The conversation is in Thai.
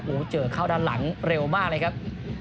โอ้โหเจอเข้าด้านหลังเร็วมากเลยครับ